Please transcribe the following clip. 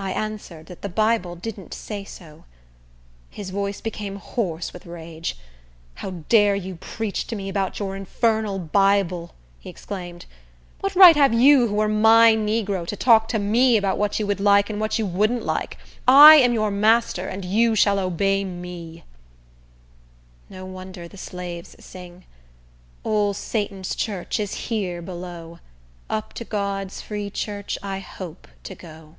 I answered that the Bible didn't say so. His voice became hoarse with rage. "How dare you preach to me about your infernal Bible!" he exclaimed. "What right have you, who are my negro, to talk to me about what you would like and what you wouldn't like? I am your master, and you shall obey me." No wonder the slaves sing,— Ole Satan's church is here below; Up to God's free church I hope to go.